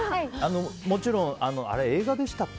もちろん、あれ映画でしたっけ？